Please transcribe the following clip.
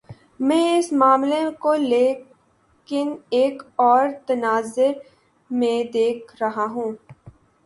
میں اس معاملے کو لیکن ایک اور تناظر میں دیکھ رہا ہوں۔